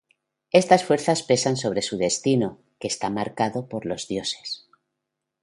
Estas fuerzas pesan sobre su destino, que está marcado por los dioses.